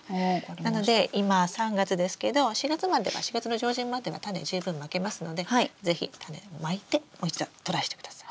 なので今３月ですけど４月までは４月の上旬まではタネ十分まけますので是非タネをまいてもう一度トライしてください。